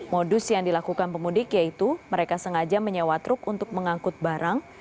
modus yang dilakukan pemudik yaitu mereka sengaja menyewa truk untuk mengangkut barang